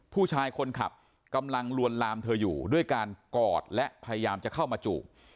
ผู้ชายคนขับกำลังลวนลามเธออยู่ด้วยการกอดและพยายามจะเข้ามาจูบ